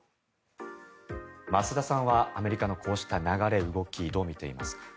増田さんはアメリカのこうした流れ、動きどう見ていますか？